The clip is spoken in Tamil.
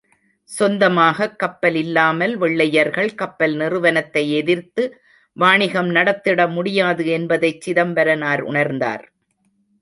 சொந்தமாகக் கப்பல் இல்லாமல் வெள்ளையர்கள் கப்பல் நிறுவனத்தை எதிர்த்து வாணிகம் நடத்திட முடியாது என்பதைச் சிதம்பரனார் உணர்ந்தார்.